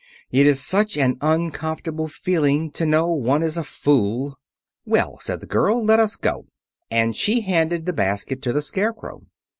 "It is such an uncomfortable feeling to know one is a fool." "Well," said the girl, "let us go." And she handed the basket to the Scarecrow.